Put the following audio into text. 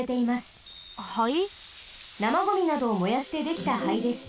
なまゴミなどを燃やしてできた灰です。